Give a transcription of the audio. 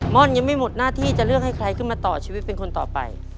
่อนยังไม่หมดหน้าที่จะเลือกให้ใครขึ้นมาต่อชีวิตเป็นคนต่อไป